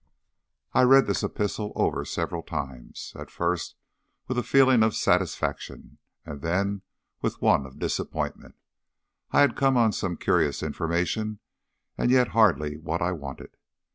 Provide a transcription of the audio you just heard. I read this epistle over several times at first with a feeling of satisfaction, and then with one of disappointment. I had come on some curious information, and yet hardly what I wanted.